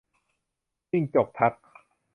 จิ้งจกทัก